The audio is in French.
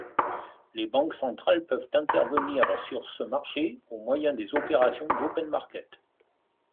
Les banques centrales peuvent intervenir sur ce marché au moyen des opérations d'open market.